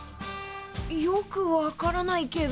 よくわからないけど。